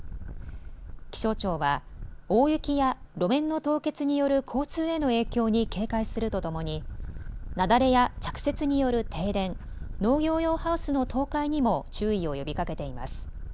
気象庁は大雪や路面の凍結による交通への影響に警戒するとともに雪崩や着雪による停電、農業用ハウスの倒壊にも注意を呼びかけています。